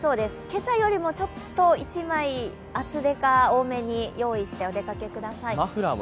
今朝よりも１枚厚手か多めに用意してお出かけください。